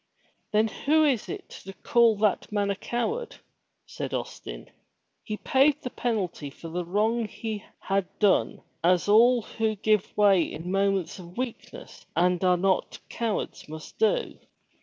"Then who is to call that man a coward?" said Austin. "He paid the penalty for the wrong he had done as all who give way in moments of weakness and are not cowards must do.